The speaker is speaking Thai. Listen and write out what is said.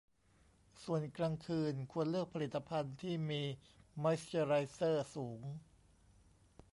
ส่วนกลางคืนควรเลือกผลิตภัณฑ์ที่มีมอยส์เจอไรเซอร์สูง